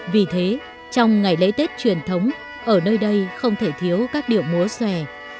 vì thế trong ngày lễ tết truyền thống ở nơi đây không thể thiếu các điệu múa xòe